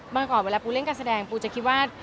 บางครั้งเวลาปูเล่นการแสดงปูจะคิดว่า